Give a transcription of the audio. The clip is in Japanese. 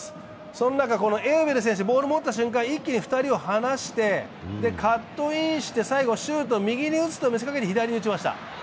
その中、エウベル選手、ボールを持った瞬間一気に２人を離して、カットインして最後はシュート右に打つと見せかけて左に打ちました。